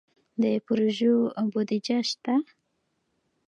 د پروژو بودیجه شته؟